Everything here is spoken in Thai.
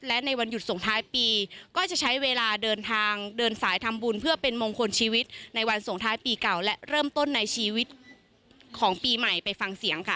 และในวันหยุดส่งท้ายปีก็จะใช้เวลาเดินทางเดินสายทำบุญเพื่อเป็นมงคลชีวิตในวันส่งท้ายปีเก่าและเริ่มต้นในชีวิตของปีใหม่ไปฟังเสียงค่ะ